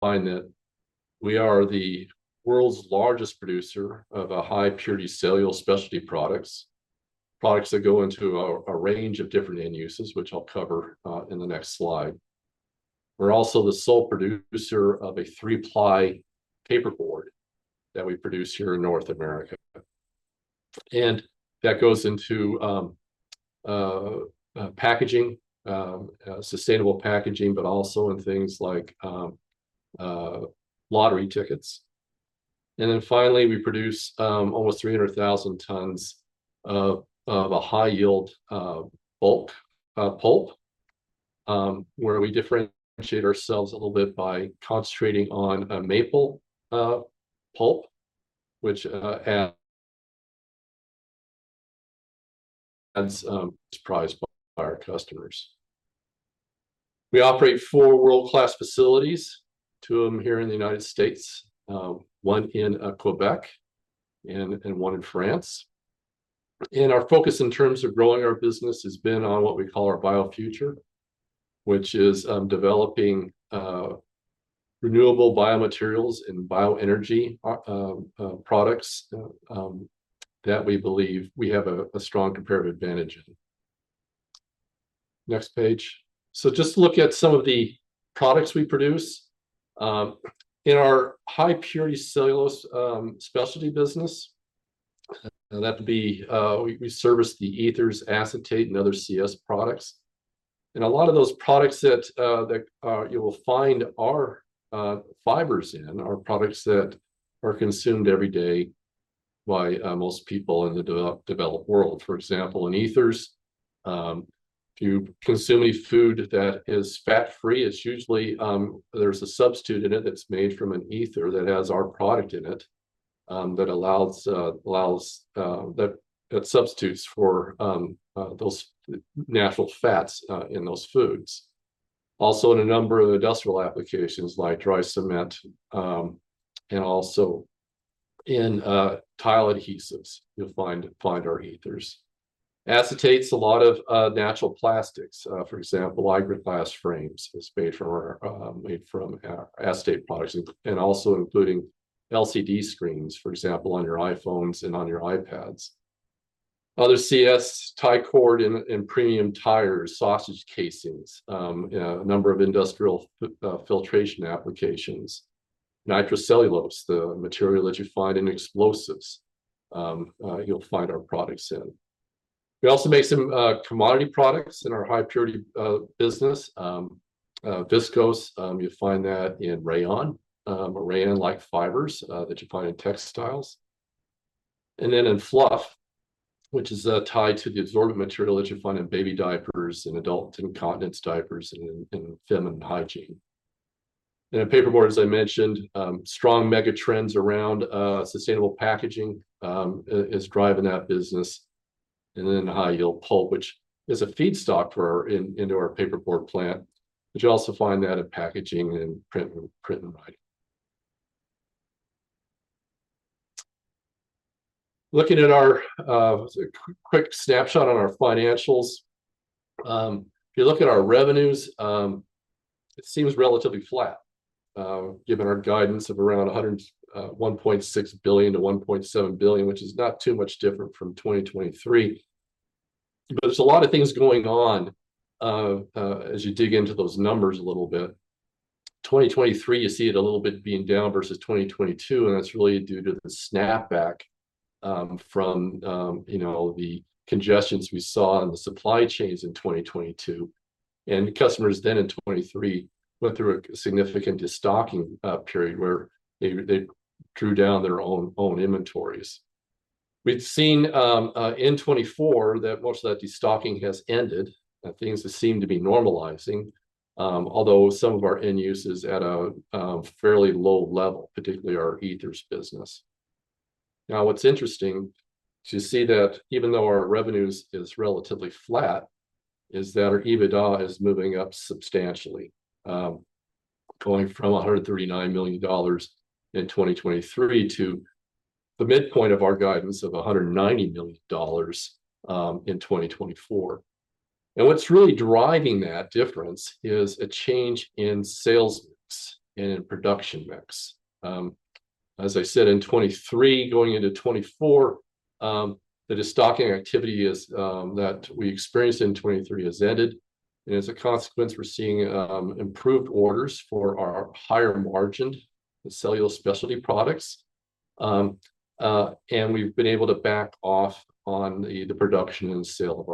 find that we are the world's largest producer of high-purity cellulose specialty products, products that go into a range of different end uses, which I'll cover in the next slide. We're also the sole producer of a three-ply paperboard that we produce here in North America. That goes into packaging, sustainable packaging, but also in things like lottery tickets. Then finally, we produce almost 300,000 tons of a high-yield bulk pulp, where we differentiate ourselves a little bit by concentrating on a maple pulp, which is prized by our customers. We operate four world-class facilities, two of them here in the United States, one in Quebec and one in France. Our focus in terms of growing our business has been on what we call our BioFuture, which is developing renewable biomaterials and bioenergy products that we believe we have a strong comparative advantage in. Next page. So just to look at some of the products we produce. In our high-purity cellulose specialty business, that would be we service the ethers, acetate, and other CS products. And a lot of those products that you will find our fibers in are products that are consumed every day by most people in the developed world. For example, in ethers, if you consume any food that is fat-free, there's a substitute in it that's made from an ether that has our product in it that allows that substitutes for those natural fats in those foods. Also, in a number of industrial applications like dry cement and also in tile adhesives, you'll find our ethers. Acetates, a lot of natural plastics, for example, eyeglass frames made from acetate products, and also including LCD screens, for example, on your iPhones and on your iPads. Other CS, tire cord and premium tires, sausage casings, a number of industrial filtration applications, nitrocellulose, the material that you find in explosives, you'll find our products in. We also make some commodity products in our high-purity business. Viscose, you'll find that in rayon, rayon-like fibers that you find in textiles. And then in fluff, which is tied to the absorbent material that you find in baby diapers and adult incontinence diapers and feminine hygiene. And paperboard, as I mentioned, strong megatrends around sustainable packaging is driving that business. And then high-yield pulp, which is a feedstock for our paperboard plant, but you'll also find that in packaging and printing and writing. Looking at our quick snapshot on our financials, if you look at our revenues, it seems relatively flat, given our guidance of around $1.6 billion-$1.7 billion, which is not too much different from 2023. But there's a lot of things going on as you dig into those numbers a little bit. 2023, you see it a little bit being down versus 2022, and that's really due to the snapback from the congestions we saw in the supply chains in 2022. Customers then in 2023 went through a significant destocking period where they drew down their own inventories. We've seen in 2024 that most of that destocking has ended. Things seem to be normalizing, although some of our end uses at a fairly low level, particularly our ethers business. Now, what's interesting to see that even though our revenues is relatively flat, is that our EBITDA is moving up substantially, going from $139 million in 2023 to the midpoint of our guidance of $190 million in 2024. And what's really driving that difference is a change in sales mix and in production mix. As I said, in 2023, going into 2024, the destocking activity that we experienced in 2023 has ended. As a consequence, we're seeing improved orders for our higher-margin cellulose specialty products. We've been able to back off on the production and sale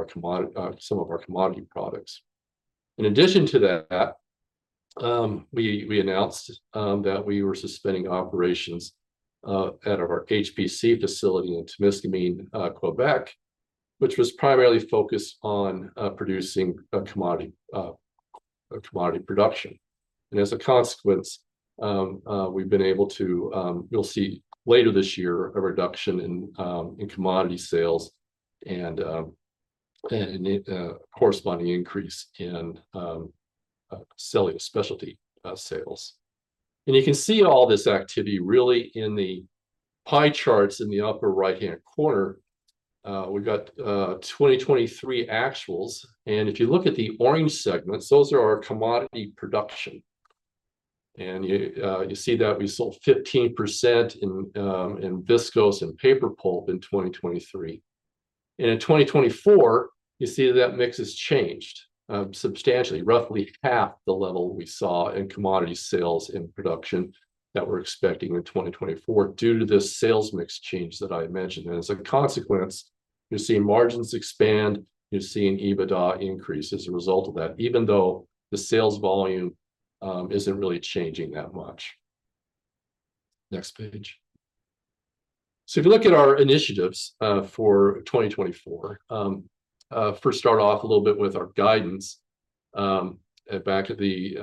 of some of our commodity products. In addition to that, we announced that we were suspending operations at our HPC facility in Temiscaming, Quebec, which was primarily focused on producing commodity products. As a consequence, we've been able to; we'll see later this year a reduction in commodity sales and a corresponding increase in cellulose specialty sales. You can see all this activity really in the pie charts in the upper right-hand corner. We've got 2023 actuals. If you look at the orange segments, those are our commodity production. You see that we sold 15% in viscose and paper pulp in 2023. In 2024, you see that that mix has changed substantially, roughly half the level we saw in commodity sales and production that we're expecting in 2024 due to this sales mix change that I mentioned. As a consequence, you're seeing margins expand. You're seeing EBITDA increase as a result of that, even though the sales volume isn't really changing that much. Next page. If you look at our initiatives for 2024, first start off a little bit with our guidance. Back at the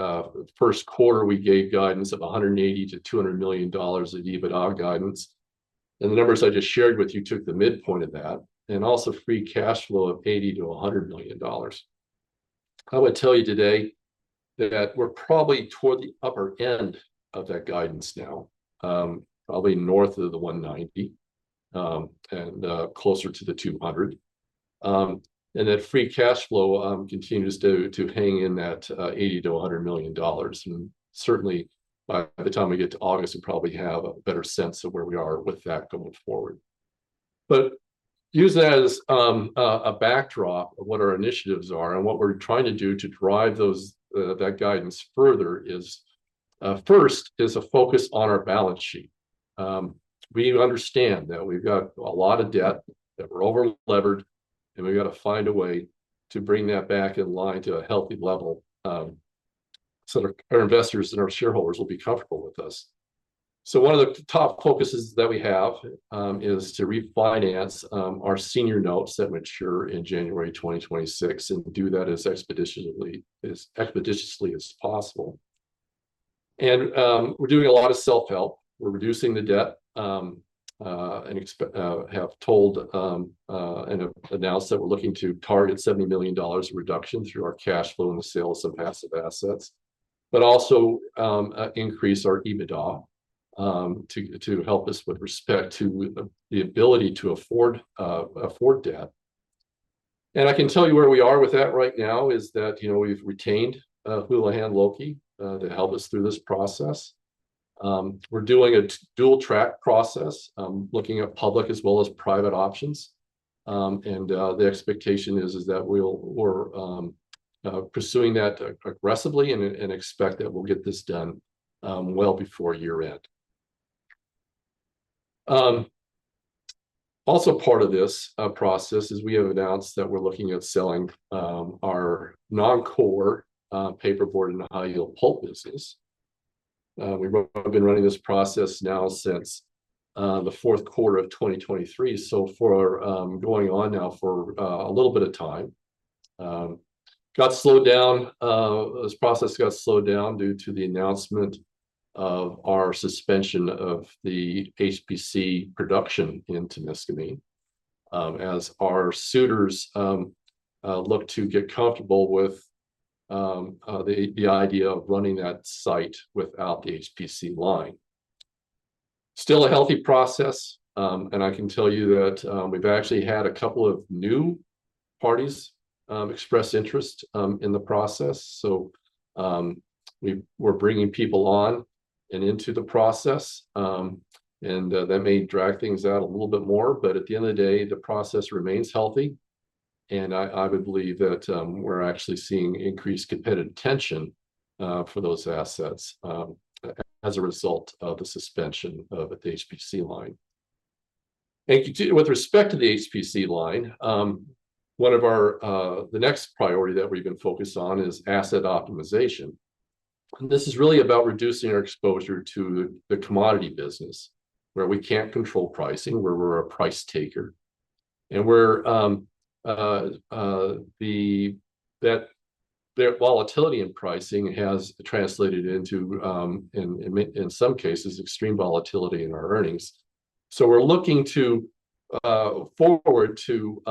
first quarter, we gave guidance of $180 million-$200 million of EBITDA guidance. And the numbers I just shared with you took the midpoint of that and also free cash flow of $80 million-$100 million. I would tell you today that we're probably toward the upper end of that guidance now, probably north of 190 and closer to 200. That free cash flow continues to hang in that $80-$100 million. Certainly, by the time we get to August, we'll probably have a better sense of where we are with that going forward. Using that as a backdrop of what our initiatives are and what we're trying to do to drive that guidance further is, first, a focus on our balance sheet. We understand that we've got a lot of debt that we're over-levered, and we've got to find a way to bring that back in line to a healthy level so that our investors and our shareholders will be comfortable with us. One of the top focuses that we have is to refinance our senior notes that mature in January 2026 and do that as expeditiously as possible. We're doing a lot of self-help. We're reducing the debt and have told and announced that we're looking to target $70 million reduction through our cash flow and the sales of passive assets, but also increase our EBITDA to help us with respect to the ability to afford debt. I can tell you where we are with that right now is that we've retained Houlihan Lokey to help us through this process. We're doing a dual-track process, looking at public as well as private options. The expectation is that we're pursuing that aggressively and expect that we'll get this done well before year-end. Also, part of this process is we have announced that we're looking at selling our non-core paperboard and high-yield pulp business. We've been running this process now since the fourth quarter of 2023, so for going on now for a little bit of time. This process got slowed down due to the announcement of our suspension of the HPC production in Temiscaming as our suitors look to get comfortable with the idea of running that site without the HPC line. Still a healthy process. I can tell you that we've actually had a couple of new parties express interest in the process. We're bringing people on and into the process. That may drag things out a little bit more. But at the end of the day, the process remains healthy. I would believe that we're actually seeing increased competitive tension for those assets as a result of the suspension of the HPC line. With respect to the HPC line, one of the next priorities that we've been focused on is asset optimization. This is really about reducing our exposure to the commodity business, where we can't control pricing, where we're a price taker. That volatility in pricing has translated into, in some cases, extreme volatility in our earnings. So we're looking forward to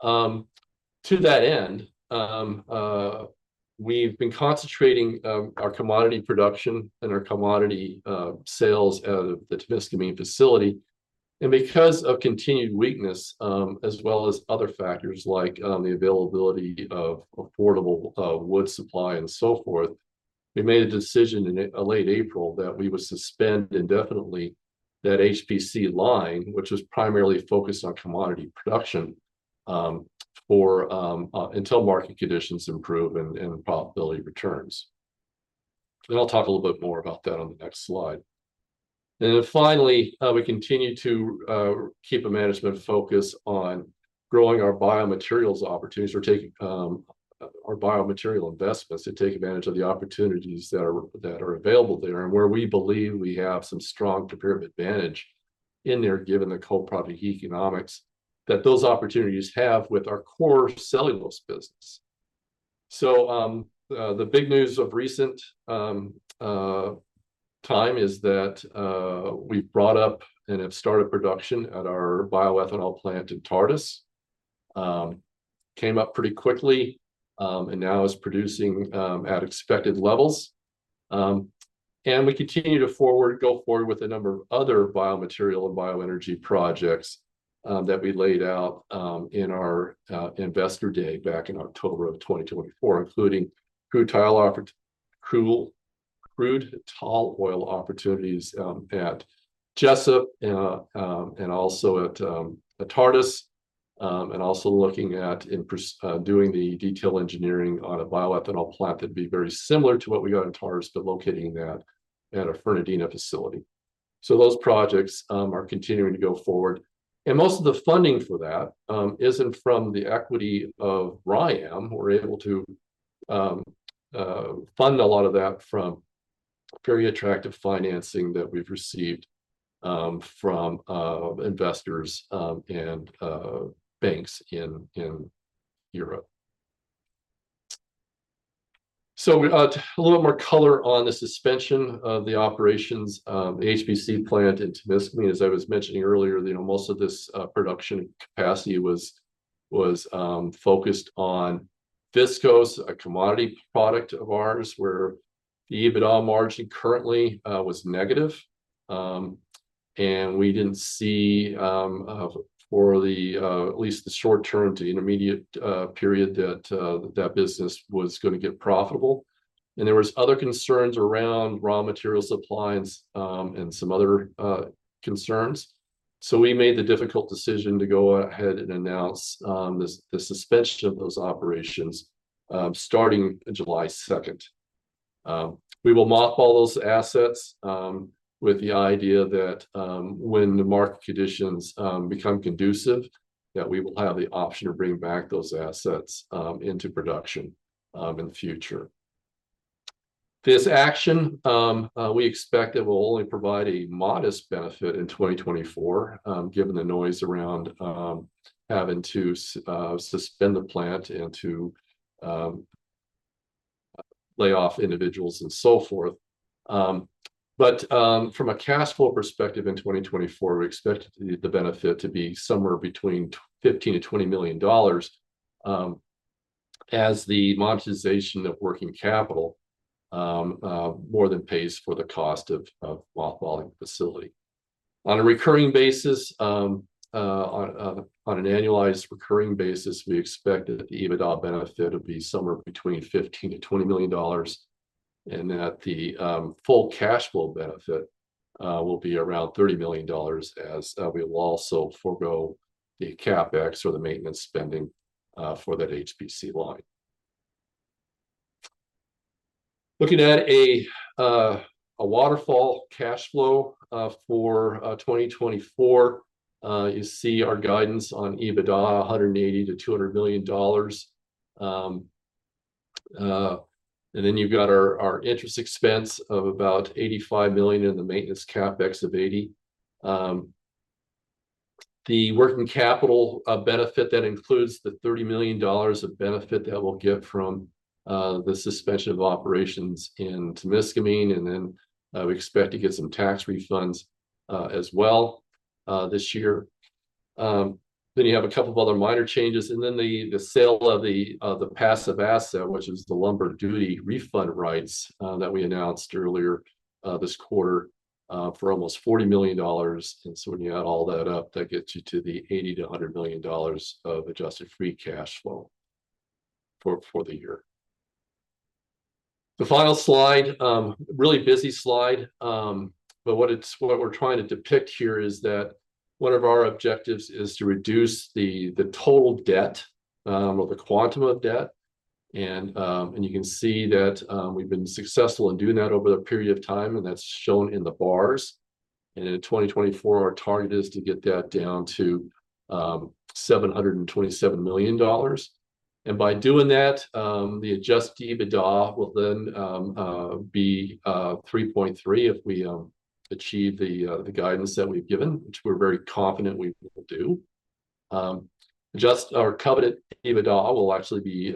operating those facilities only when they're profitable. So to that end, we've been concentrating our commodity production and our commodity sales at the Temiscaming facility. And because of continued weakness, as well as other factors like the availability of affordable wood supply and so forth, we made a decision in late April that we would suspend indefinitely that HPC line, which was primarily focused on commodity production until market conditions improve and profitability returns. I'll talk a little bit more about that on the next slide. Then finally, we continue to keep a management focus on growing our biomaterials opportunities or taking our biomaterial investments to take advantage of the opportunities that are available there and where we believe we have some strong comparative advantage in there, given the co-profit economics that those opportunities have with our core cellulose business. The big news of recent time is that we've brought up and have started production at our bioethanol plant in Tartas. Came up pretty quickly and now is producing at expected levels. We continue to go forward with a number of other biomaterial and bioenergy projects that we laid out in our investor day back in October of 2024, including crude tall oil opportunities at Jesup and also at Tartas, and also looking at doing the detail engineering on a bioethanol plant that'd be very similar to what we got in Tartas, but locating that at a Fernandina facility. So those projects are continuing to go forward. And most of the funding for that isn't from the equity of RYAM. We're able to fund a lot of that from very attractive financing that we've received from investors and banks in Europe. So a little bit more color on the suspension of the operations, the HPC plant in Temiscaming. As I was mentioning earlier, most of this production capacity was focused on viscose, a commodity product of ours, where the EBITDA margin currently was negative. We didn't see, for at least the short-term to intermediate period, that that business was going to get profitable. There were other concerns around raw material supplies and some other concerns. We made the difficult decision to go ahead and announce the suspension of those operations starting July 2nd. We will mothball all those assets with the idea that when the market conditions become conducive, that we will have the option to bring back those assets into production in the future. This action, we expect it will only provide a modest benefit in 2024, given the noise around having to suspend the plant and to lay off individuals and so forth. But from a cash flow perspective in 2024, we expect the benefit to be somewhere between $15-$20 million as the monetization of working capital more than pays for the cost of mothballing the facility. On a recurring basis, on an annualized recurring basis, we expect that the EBITDA benefit would be somewhere between $15-$20 million and that the full cash flow benefit will be around $30 million as we will also forego the CapEx or the maintenance spending for that HPC line. Looking at a waterfall cash flow for 2024, you see our guidance on EBITDA, $180-$200 million. And then you've got our interest expense of about $85 million and the maintenance CapEx of $80. The working capital benefit that includes the $30 million of benefit that we'll get from the suspension of operations in Temiscaming. Then we expect to get some tax refunds as well this year. You have a couple of other minor changes. The sale of the passive asset, which is the lumber duty refund rights that we announced earlier this quarter for almost $40 million. So when you add all that up, that gets you to the $80-$100 million of adjusted free cash flow for the year. The final slide, a really busy slide. What we're trying to depict here is that one of our objectives is to reduce the total debt or the quantum of debt. You can see that we've been successful in doing that over the period of time, and that's shown in the bars. In 2024, our target is to get that down to $727 million. And by doing that, the adjusted EBITDA will then be $3.3 if we achieve the guidance that we've given, which we're very confident we will do. Just our covenant EBITDA will actually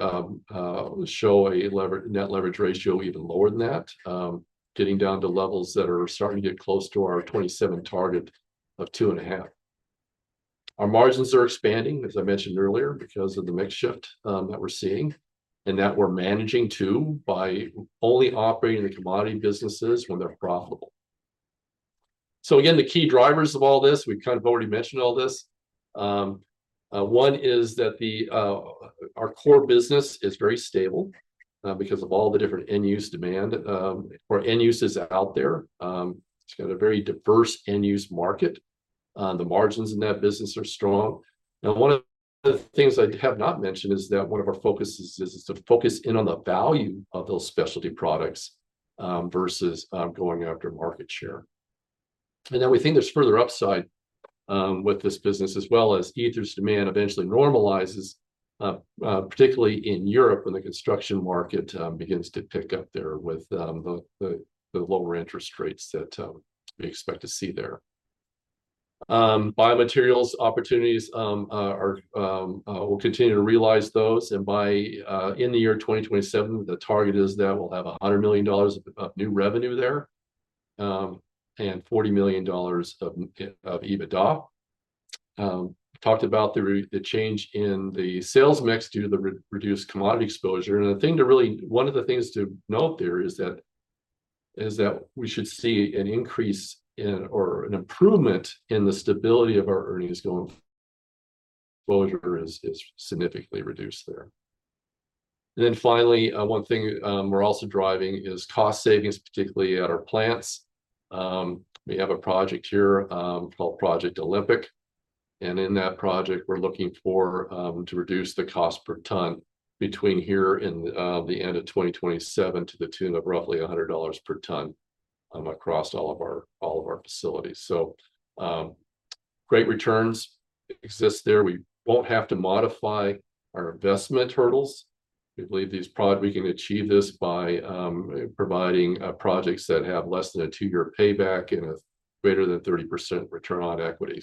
show a net leverage ratio even lower than that, getting down to levels that are starting to get close to our 2027 target of 2.5. Our margins are expanding, as I mentioned earlier, because of the mix shift that we're seeing and that we're managing to by only operating the commodity businesses when they're profitable. So again, the key drivers of all this, we've kind of already mentioned all this. One is that our core business is very stable because of all the different end-use demand or end-uses out there. It's got a very diverse end-use market. The margins in that business are strong. Now, one of the things I have not mentioned is that one of our focuses is to focus in on the value of those specialty products versus going after market share. And then we think there's further upside with this business, as well as ethers' demand eventually normalizes, particularly in Europe when the construction market begins to pick up there with the lower interest rates that we expect to see there. Biomaterials opportunities will continue to realize those. And by in the year 2027, the target is that we'll have $100 million of new revenue there and $40 million of EBITDA. Talked about the change in the sales mix due to the reduced commodity exposure. And one of the things to note there is that we should see an increase or an improvement in the stability of our earnings going forward. Exposure is significantly reduced there. Then finally, one thing we're also driving is cost savings, particularly at our plants. We have a project here called Project Olympic. And in that project, we're looking to reduce the cost per ton between here and the end of 2027 to the tune of roughly $100 per ton across all of our facilities. Great returns exist there. We won't have to modify our investment hurdles. We believe we can achieve this by providing projects that have less than a two-year payback and a greater than 30% return on equity.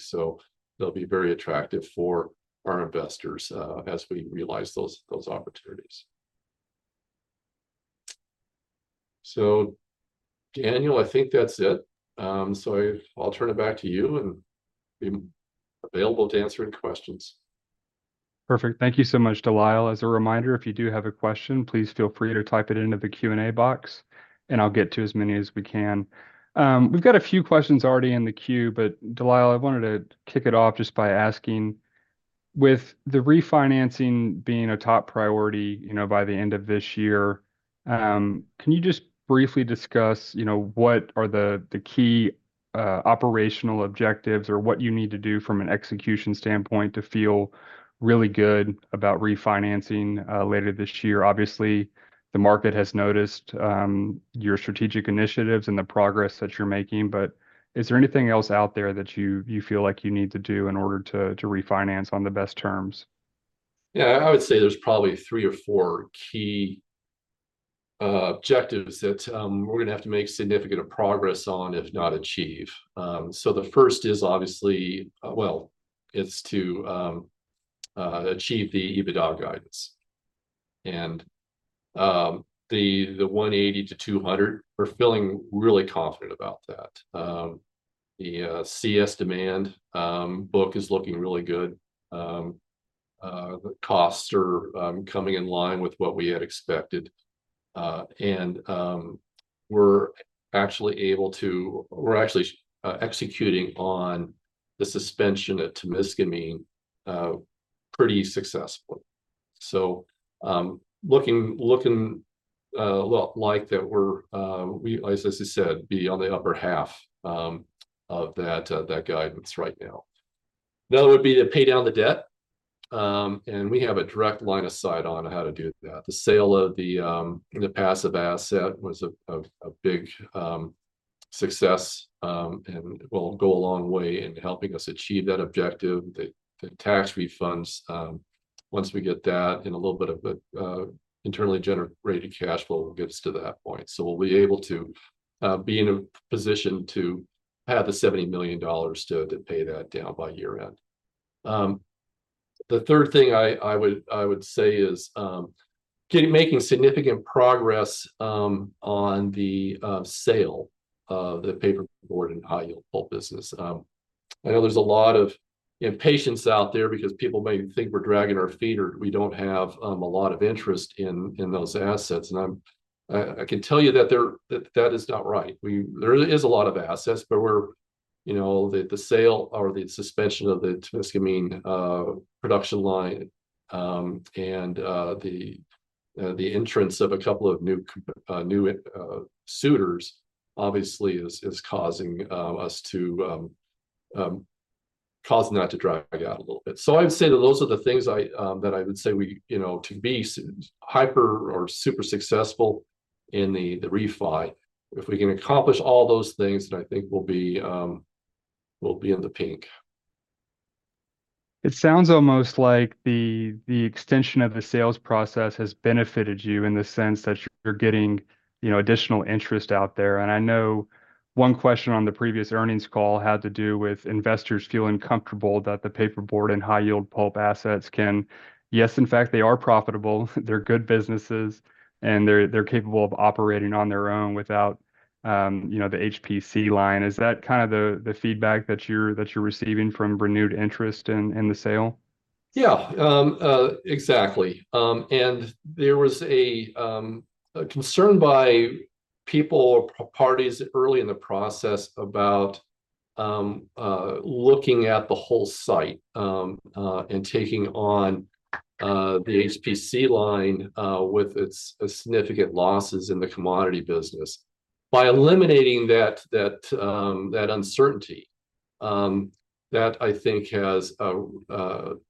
They'll be very attractive for our investors as we realize those opportunities. So, Daniel, I think that's it. I'll turn it back to you and be available to answer any questions. Perfect. Thank you so much, De Lyle. As a reminder, if you do have a question, please feel free to type it into the Q&A box, and I'll get to as many as we can. We've got a few questions already in the queue, but De Lyle, I wanted to kick it off just by asking, with the refinancing being a top priority by the end of this year, can you just briefly discuss what are the key operational objectives or what you need to do from an execution standpoint to feel really good about refinancing later this year? Obviously, the market has noticed your strategic initiatives and the progress that you're making. But is there anything else out there that you feel like you need to do in order to refinance on the best terms? Yeah, I would say there's probably three or four key objectives that we're going to have to make significant progress on, if not achieve. So the first is obviously, well, it's to achieve the EBITDA guidance. And the $180-$200, we're feeling really confident about that. The CS demand book is looking really good. The costs are coming in line with what we had expected. And we're actually able to, we're actually executing on the suspension at Temiscaming pretty successfully. So looking like that we're, as I said, be on the upper half of that guidance right now. Another would be to pay down the debt. And we have a direct line of sight on how to do that. The sale of the passive asset was a big success and will go a long way in helping us achieve that objective. The tax refunds, once we get that and a little bit of internally generated cash flow gets to that point. So we'll be able to be in a position to have the $70 million to pay that down by year-end. The third thing I would say is making significant progress on the sale of the paperboard and high-yield pulp business. I know there's a lot of impatience out there because people may think we're dragging our feet or we don't have a lot of interest in those assets. And I can tell you that that is not right. There is a lot of assets, but the sale or the suspension of the Temiscaming production line and the entrance of a couple of new suitors obviously is causing us to cause that to drag out a little bit. So I would say that those are the things that I would say we need to be hyper or super successful in the refi, if we can accomplish all those things, then I think we'll be in the pink. It sounds almost like the extension of the sales process has benefited you in the sense that you're getting additional interest out there. And I know one question on the previous earnings call had to do with investors feeling comfortable that the paperboard and high-yield pulp assets can, yes, in fact, they are profitable. They're good businesses, and they're capable of operating on their own without the HPC line. Is that kind of the feedback that you're receiving from renewed interest in the sale? Yeah, exactly. And there was a concern by people or parties early in the process about looking at the whole site and taking on the HPC line with its significant losses in the commodity business. By eliminating that uncertainty, that I think has brought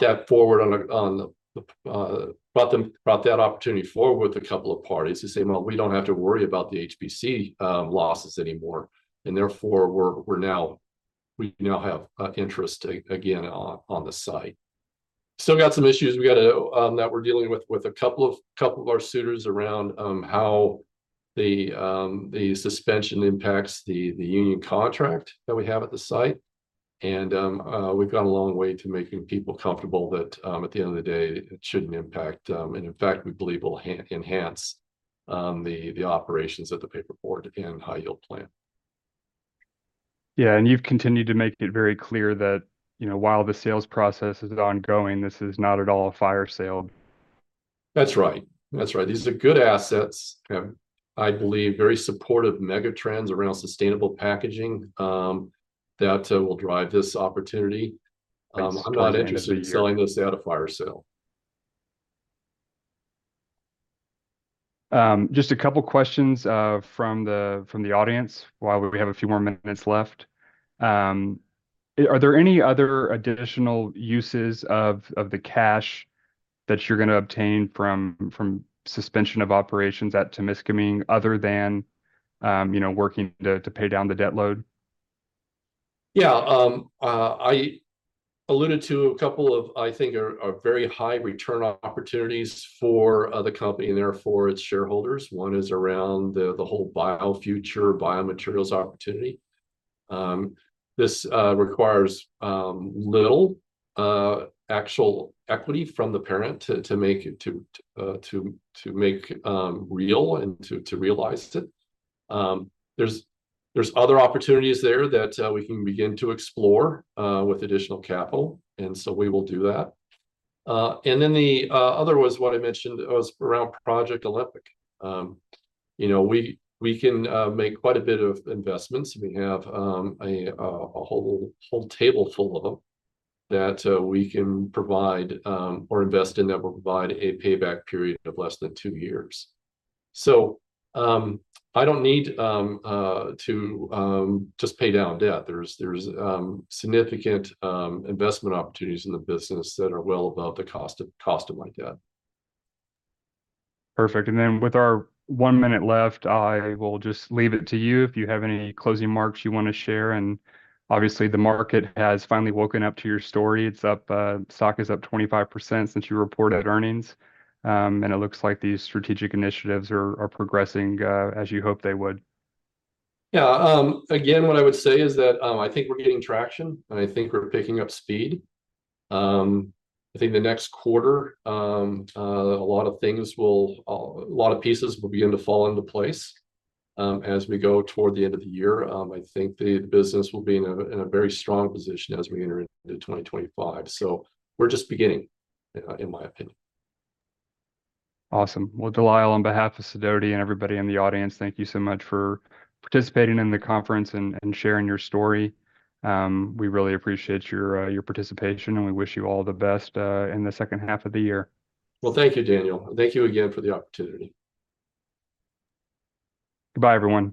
that forward, brought that opportunity forward with a couple of parties to say, "Well, we don't have to worry about the HPC losses anymore." And therefore, we now have interest again on the site. Still got some issues. We got to that we're dealing with a couple of our suitors around how the suspension impacts the union contract that we have at the site. And we've gone a long way to making people comfortable that at the end of the day, it shouldn't impact. And in fact, we believe it will enhance the operations at the paperboard and high-yield plant. Yeah. And you've continued to make it very clear that while the sales process is ongoing, this is not at all a fire sale. That's right. That's right. These are good assets. I believe very supportive megatrends around sustainable packaging that will drive this opportunity. I'm not interested in selling this at a fire sale. Just a couple of questions from the audience while we have a few more minutes left. Are there any other additional uses of the cash that you're going to obtain from suspension of operations at Temiscaming other than working to pay down the debt load? Yeah. I alluded to a couple of, I think, are very high return opportunities for the company and therefore its shareholders. One is around the whole BioFuture, biomaterials opportunity. This requires little actual equity from the parent to make real and to realize it. There's other opportunities there that we can begin to explore with additional capital. And so we will do that. And then the other was what I mentioned was around Project Olympic. We can make quite a bit of investments. We have a whole table full of them that we can provide or invest in that will provide a payback period of less than 2 years. So I don't need to just pay down debt. There's significant investment opportunities in the business that are well above the cost of my debt. Perfect. And then with our 1 minute left, I will just leave it to you if you have any closing remarks you want to share. And obviously, the market has finally woken up to your story. Stock is up 25% since you reported earnings. And it looks like these strategic initiatives are progressing as you hoped they would. Yeah. Again, what I would say is that I think we're getting traction, and I think we're picking up speed. I think the next quarter, a lot of things will, a lot of pieces will begin to fall into place as we go toward the end of the year. I think the business will be in a very strong position as we enter into 2025. So we're just beginning, in my opinion. Awesome. Well, De Lyle, on behalf of Sidoti and everybody in the audience, thank you so much for participating in the conference and sharing your story. We really appreciate your participation, and we wish you all the best in the second half of the year. Well, thank you, Daniel. Thank you again for the opportunity. Goodbye, everyone.